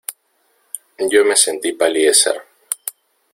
yo me sentí palidecer.